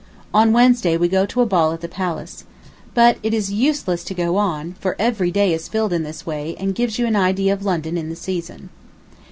On Wednesday we go to a ball at the Palace. But it is useless to go on, for every day is filled in this way, and gives you an idea of London in the season.